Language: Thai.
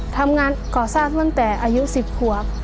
ทำงานก่อสร้างตั้งแต่อายุ๑๐ขวบ